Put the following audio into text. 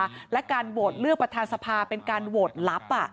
และการโหวตเลือกประธานสภาเป็นการโหวตลับ